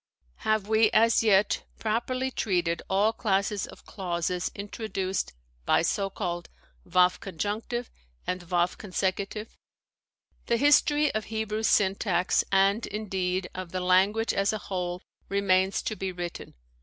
Have we as yet properly treated all classes of clauses intro duced by so called waw conjunctive and waw consecutive ? The history of Hebrew syntax, and, indeed, of the language as a whole, remains to be written.